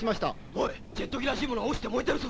おいジェット機らしいものが落ちて燃えてるぞ。